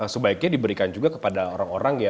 sebaiknya diberikan juga kepada orang orang ya